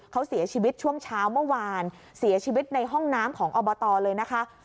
เขาเสียชีวิตช่วงเช้าเมื่อวานเสียชีวิตในห้องน้ำของอบตเลยนะคะ